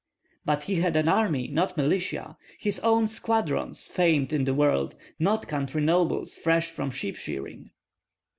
"But he had an army, not militia, his own squadrons famed in the world, not country nobles fresh from sheep shearing."